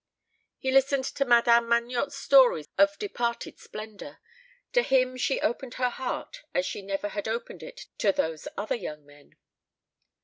He listened to Madame Magnotte's stories of departed splendour. To him she opened her heart as she never had opened it to those other young men.